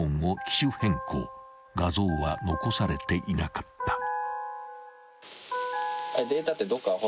［画像は残されていなかった］